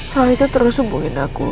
kalau itu terus sembuhin aku